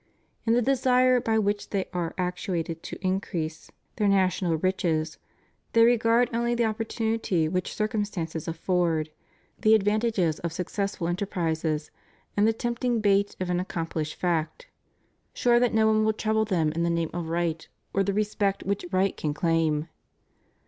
In the desire by which they are actuated to increase their national riches, they regard only the opportunity which circumstances afford, the ad vantages of successful enterprises, and the tempting bait of an accomphshed fact, sure that no one will trouble them in the name of right or the respect which right can claim.